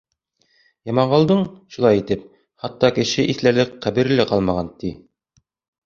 Яманғолдоң, шулай итеп, хатта кеше иҫләрлек ҡәбере лә ҡалмаған, ти.